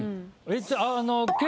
あの。